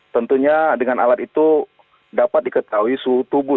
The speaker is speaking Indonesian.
tentunya dengan alat itu dapat diketahui suhu tubuh